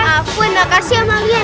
aku emang makasih amalia